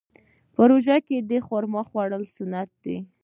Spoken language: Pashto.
په روژه کې خرما خوړل سنت دي.